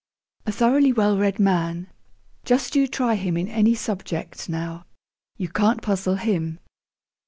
'A thoroughly well read man. Just you try him in any subject, now. You can't puzzle him.'